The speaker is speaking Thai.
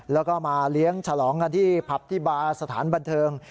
แล้วก็มาเลี้ยงฉลองกันที่ผับที่บาร์สถานบันเทิง